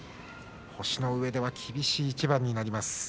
星のうえでは厳しい一番になります。